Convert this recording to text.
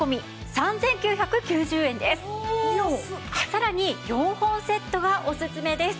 さらに４本セットがオススメです。